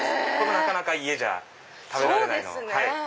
なかなか家じゃ食べられない。